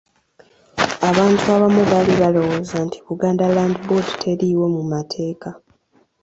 Abantu abamu baali balowooza nti Buganda Land Board teriiwo mu mateeka.